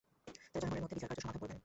তারা জনগণের মধ্যে বিচারকার্য সমাধা করবেন।